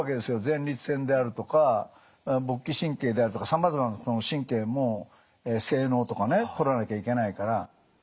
前立腺であるとか勃起神経であるとかさまざまな神経も精のうとかね取らなきゃいけないから。